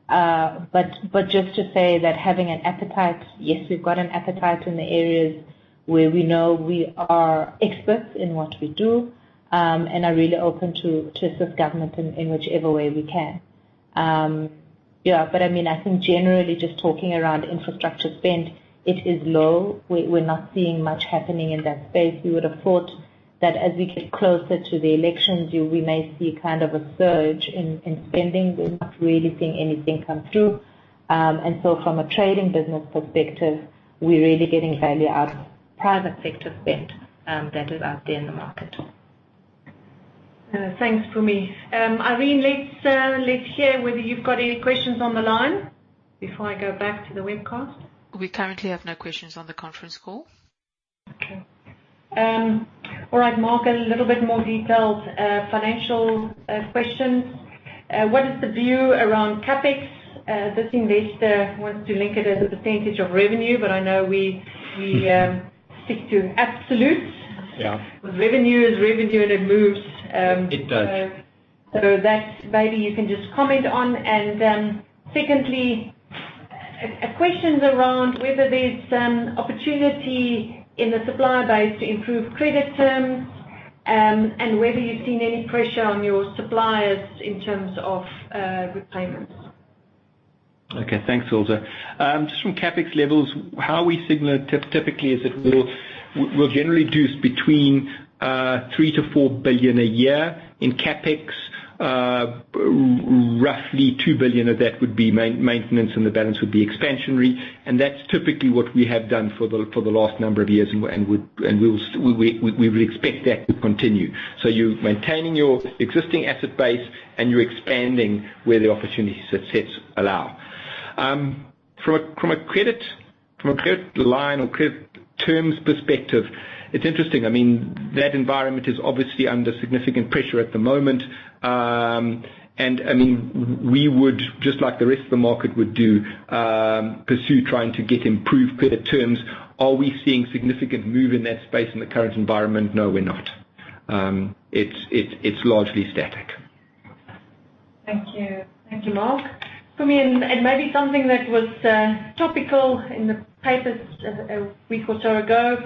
But, but just to say that having an appetite yes, we've got an appetite in the areas where we know we are experts in what we do, and are really open to, to assist government in, in whichever way we can. Yeah. But, I mean, I think generally, just talking around infrastructure spend, it is low. We, we're not seeing much happening in that space. You would have thought that as we get closer to the elections, you we may see kind of a surge in, in spending. We're not really seeing anything come through. From a trading business perspective, we're really getting value out of private sector spend, that is out there in the market. Thanks, Pumi. Irene, let's, let's hear whether you've got any questions on the line before I go back to the webcast. We currently have no questions on the conference call. Okay. All right, Mark, a little bit more detailed financial questions. What is the view around CapEx? This investor wants to link it as a percentage of revenue, but I know we stick to absolute. Yeah. Because revenue is revenue, and it moves, It does. So that's maybe you can just comment on. And, secondly, a question's around whether there's opportunity in the supply base to improve credit terms, and whether you've seen any pressure on your suppliers in terms of repayments. Okay. Thanks, Ilze. Just from CapEx levels, how are we signaling it? Typically, we'll generally do between 3 billion-4 billion a year in CapEx. Roughly 2 billion of that would be maintenance, and the balance would be expansionary. And that's typically what we have done for the last number of years, and we would expect that to continue. So you're maintaining your existing asset base, and you're expanding where the opportunities it sets allow. From a credit line or credit terms perspective, it's interesting. I mean, that environment is obviously under significant pressure at the moment. And, I mean, we would, just like the rest of the market would do, pursue trying to get improved credit terms. Are we seeing significant move in that space in the current environment? No, we're not. It's largely static. Thank you. Thank you, Mark. Pumi, and maybe something that was topical in the papers a week or so ago,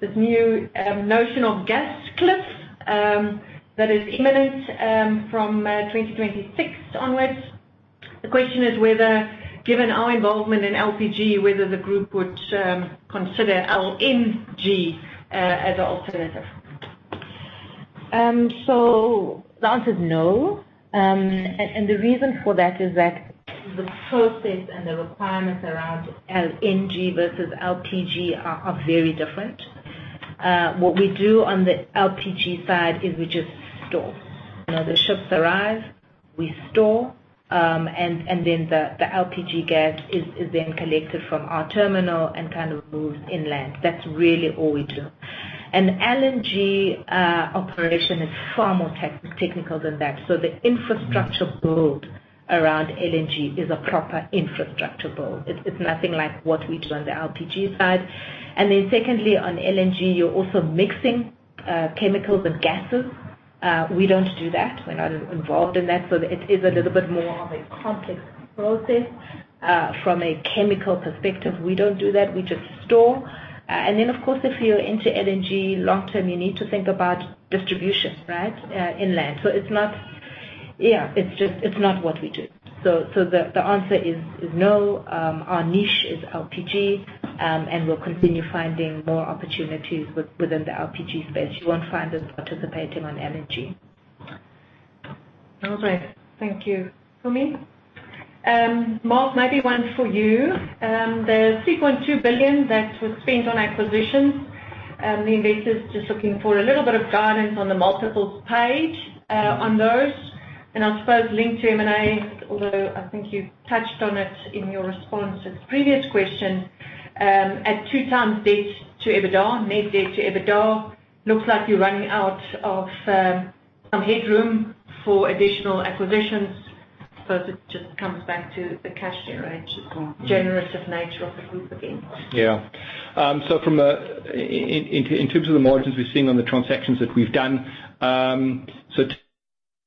this new notion of gas cliff that is imminent from 2026 onwards. The question is whether, given our involvement in LPG, whether the group would consider LNG as an alternative. So the answer's no. And the reason for that is that the process and the requirements around LNG versus LPG are very different. What we do on the LPG side is we just store. You know, the ships arrive. We store. And then the LPG gas is then collected from our terminal and kind of moves inland. That's really all we do. And LNG operation is far more technical than that. So the infrastructure build around LNG is a proper infrastructure build. It's nothing like what we do on the LPG side. And then secondly, on LNG, you're also mixing chemicals and gases. We don't do that. We're not involved in that. So it is a little bit more of a complex process. From a chemical perspective, we don't do that. We just store. And then, of course, if you're into LNG long term, you need to think about distribution, right, inland. So it's not yeah. It's just it's not what we do. So the answer is no. Our niche is LPG, and we'll continue finding more opportunities within the LPG space. You won't find us participating on LNG. All right. Thank you, Pumi. Mark, maybe one for you. The 3.2 billion that was spent on acquisitions, the investor's just looking for a little bit of guidance on the multiples page, on those. And I'll suppose link to M&A, although I think you've touched on it in your response to this previous question. At 2x debt to EBITDA, net debt to EBITDA, looks like you're running out of some headroom for additional acquisitions. So it just comes back to the cash generation. Yeah. Generous of nature of the group again. Yeah, so from an into in terms of the margins we're seeing on the transactions that we've done, so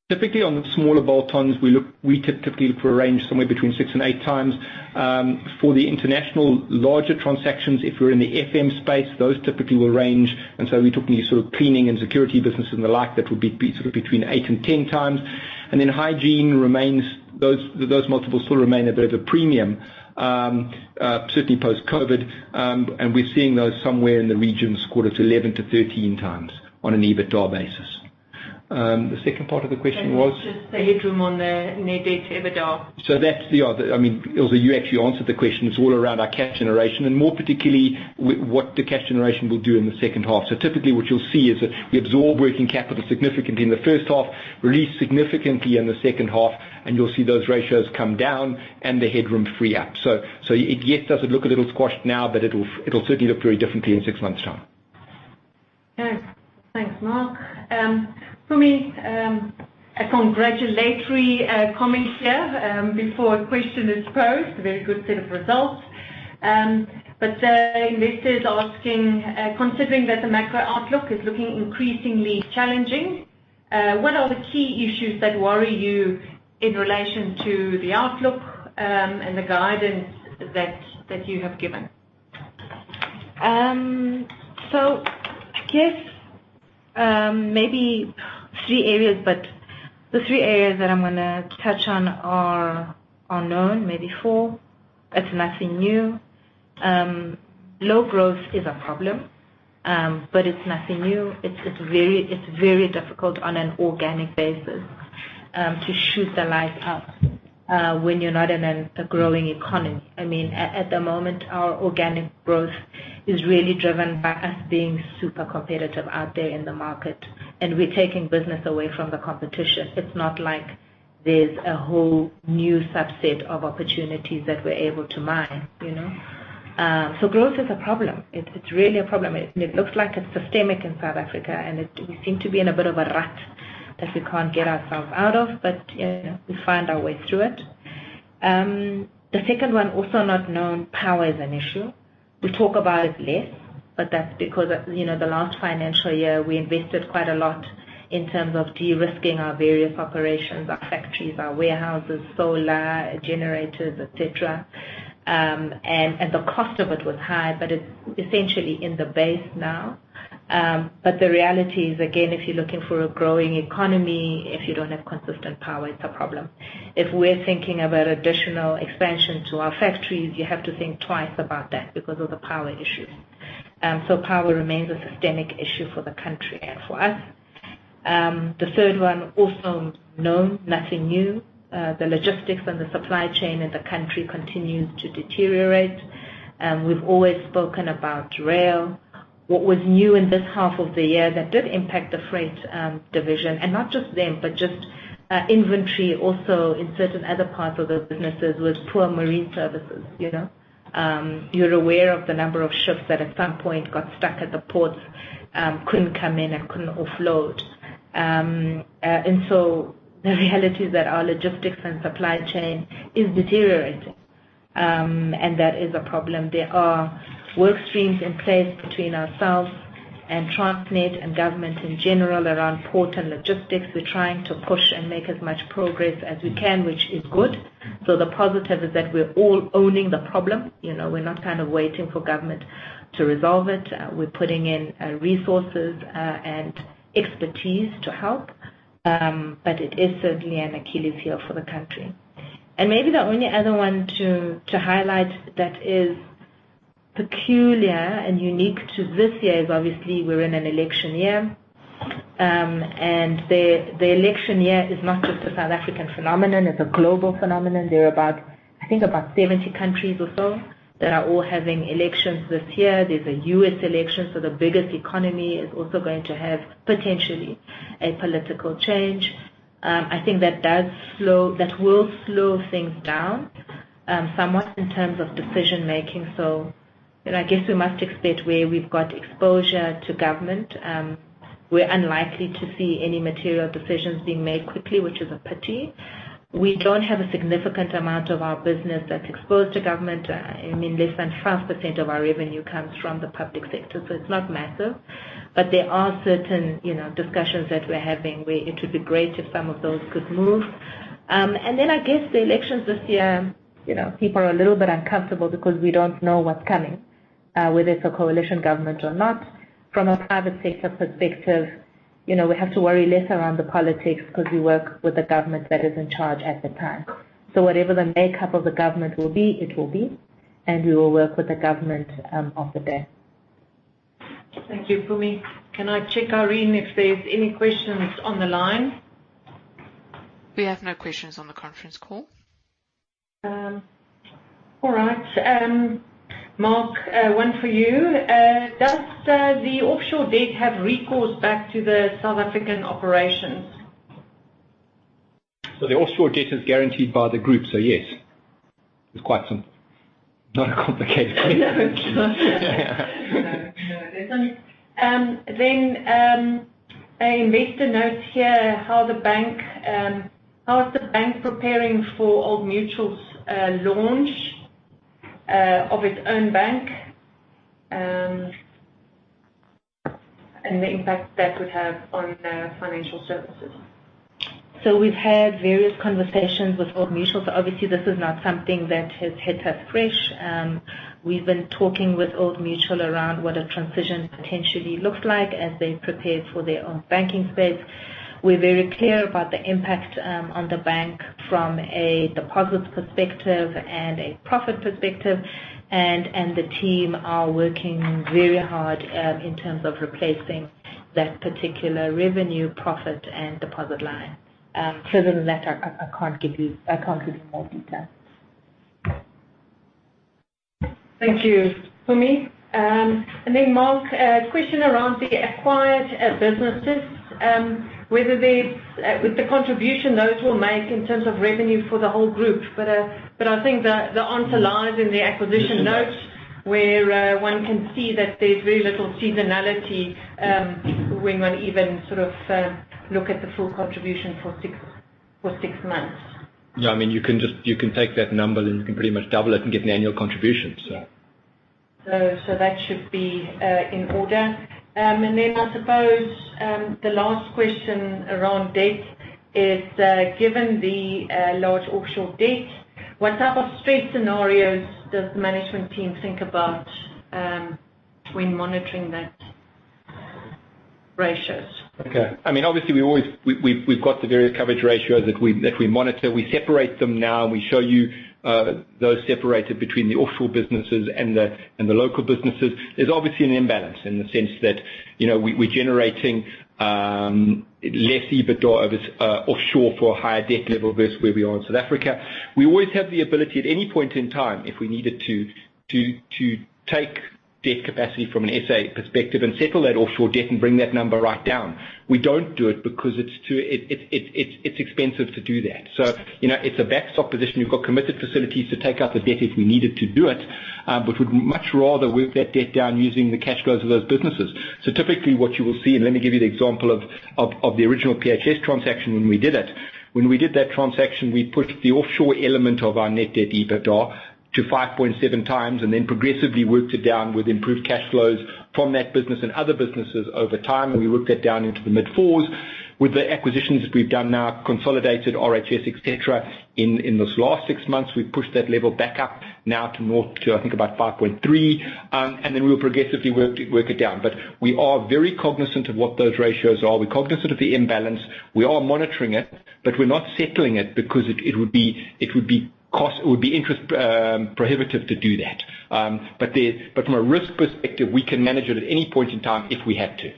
typically, on the smaller bolt-ons, we typically look for a range somewhere between six-eight times. For the international larger transactions, if we're in the FM space, those typically will range. And so we're talking sort of cleaning and security businesses and the like. That would be sort of between 8-10 times. And then hygiene remains those multiples still remain a bit of a premium, certainly post-COVID. And we're seeing those somewhere in the region, 10.75-13 times on an EBITDA basis. The second part of the question was. Just the headroom on the net debt to EBITDA. So that's the other I mean, Ilze, you actually answered the question. It's all around our cash generation and more particularly what the cash generation will do in the second half. So typically, what you'll see is that we absorb working capital significantly in the first half, release significantly in the second half, and you'll see those ratios come down and the headroom free up. So, yes, it does look a little squashed now, but it'll certainly look very differently in six months' time. Okay. Thanks, Mark. Pumi, a congratulatory comment here, before a question is posed. Very good set of results. But the investor's asking, considering that the macro outlook is looking increasingly challenging, what are the key issues that worry you in relation to the outlook, and the guidance that, that you have given? I guess, maybe three areas. But the three areas that I'm gonna touch on are known, maybe four. It's nothing new. Low growth is a problem, but it's nothing new. It's very difficult on an organic basis to shoot the light up when you're not in a growing economy. I mean, at the moment, our organic growth is really driven by us being super competitive out there in the market, and we're taking business away from the competition. It's not like there's a whole new subset of opportunities that we're able to mine, you know? So growth is a problem. It's really a problem. It looks like it's systemic in South Africa, and we seem to be in a bit of a rut that we can't get ourselves out of, but, you know, we find our way through it. The second one, also not known, power is an issue. We talk about it less, but that's because, you know, the last financial year, we invested quite a lot in terms of de-risking our various operations, our factories, our warehouses, solar, generators, etc. and the cost of it was high, but it's essentially in the base now. The reality is, again, if you're looking for a growing economy, if you don't have consistent power, it's a problem. If we're thinking about additional expansion to our factories, you have to think twice about that because of the power issues. Power remains a systemic issue for the country and for us. The third one, also known, nothing new. The logistics and the supply chain in the country continues to deteriorate. We've always spoken about rail. What was new in this half of the year that did impact the freight division and not just them, but just inventory also in certain other parts of the businesses with port marine services, you know? You're aware of the number of ships that at some point got stuck at the ports, couldn't come in and couldn't offload. And so the reality is that our logistics and supply chain is deteriorating, and that is a problem. There are work streams in place between ourselves and Transnet and government in general around port and logistics. We're trying to push and make as much progress as we can, which is good. So the positive is that we're all owning the problem. You know, we're not kind of waiting for government to resolve it. We're putting in resources and expertise to help. But it is certainly an Achilles heel for the country. Maybe the only other one to highlight that is peculiar and unique to this year is, obviously, we're in an election year. The election year is not just a South African phenomenon. It's a global phenomenon. There are about, I think, about 70 countries or so that are all having elections this year. There's a U.S. election. So the biggest economy is also going to have, potentially, a political change. I think that will slow things down, somewhat in terms of decision-making. So, you know, I guess we must expect where we've got exposure to government, we're unlikely to see any material decisions being made quickly, which is a pity. We don't have a significant amount of our business that's exposed to government. I mean, less than 5% of our revenue comes from the public sector. So it's not massive. But there are certain, you know, discussions that we're having where it would be great if some of those could move. And then I guess the elections this year, you know, people are a little bit uncomfortable because we don't know what's coming, whether it's a coalition government or not. From a private sector perspective, you know, we have to worry less around the politics because we work with a government that is in charge at the time. So whatever the makeup of the government will be, it will be, and we will work with the government of the day. Thank you, Pumi. Can I check, Irene, if there's any questions on the line? We have no questions on the conference call. All right. Mark, one for you. Does the offshore debt have recourse back to the South African operations? The offshore debt is guaranteed by the group, so yes. It's quite simple. Not a complicated question. No, it's not. No, no. There's only then an investor notes here how the bank, how is the bank preparing for Old Mutual's launch of its own bank, and the impact that would have on financial services? So we've had various conversations with Old Mutual. So obviously, this is not something that has hit us fresh. We've been talking with Old Mutual around what a transition potentially looks like as they prepare for their own banking space. We're very clear about the impact on the bank from a deposits perspective and a profit perspective. And the team are working very hard in terms of replacing that particular revenue, profit, and deposit line. Other than that, I can't give you more detail. Thank you, Mpumi. And then, Mark, a question around the acquired businesses, whether they've with the contribution those will make in terms of revenue for the whole group. But, but I think the, the answer lies in the acquisition notes where one can see that there's very little seasonality, when one even sort of look at the full contribution for six for six months. Yeah. I mean, you can just take that number, and you can pretty much double it and get an annual contribution, so. So that should be in order. And then I suppose the last question around debt is, given the large offshore debt, what type of stress scenarios does the management team think about when monitoring that ratios? Okay. I mean, obviously, we always have the various coverage ratios that we monitor. We separate them now. We show you those separated between the offshore businesses and the local businesses. There's obviously an imbalance in the sense that, you know, we're generating less EBITDA offshore for a higher debt level versus where we are in South Africa. We always have the ability at any point in time, if we needed to, to take debt capacity from an SA perspective and settle that offshore debt and bring that number right down. We don't do it because it's too expensive to do that. So, you know, it's a backstop position. You've got committed facilities to take out the debt if we needed to do it, but would much rather work that debt down using the cash flows of those businesses. So typically, what you will see and let me give you the example of the original PHS transaction when we did it. When we did that transaction, we pushed the offshore element of our net debt EBITDA to 5.7 times and then progressively worked it down with improved cash flows from that business and other businesses over time. And we worked that down into the mid-4s. With the acquisitions that we've done now, consolidated RHS, etc., in this last six months, we've pushed that level back up now to north to, I think, about 5.3. And then we'll progressively work it down. But we are very cognizant of what those ratios are. We're cognizant of the imbalance. We are monitoring it, but we're not settling it because it would be cost prohibitive, interest prohibitive to do that. But from a risk perspective, we can manage it at any point in time if we had to.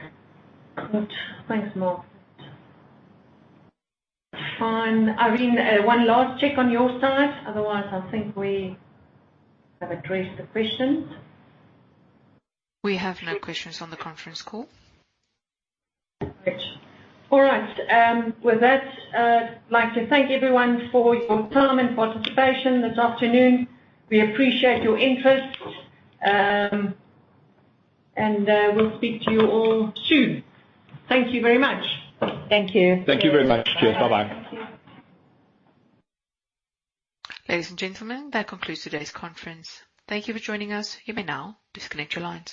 Okay. Good. Thanks, Mark. Irene, one last check on your side. Otherwise, I think we have addressed the questions. We have no questions on the conference call. All right. All right. With that, I'd like to thank everyone for your time and participation this afternoon. We appreciate your interest. And we'll speak to you all soon. Thank you very much. Thank you. Thank you very much. Cheers. Bye-bye. Thank you. Ladies and gentlemen, that concludes today's conference. Thank you for joining us. You may now disconnect your lines.